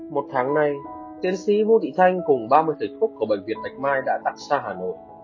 một tháng nay tiến sĩ vũ thị thanh cùng ba mươi thầy thuốc của bệnh viện tạch mai đã tạc xa hà nội